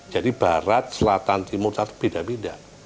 jadi barat selatan timur tata beda beda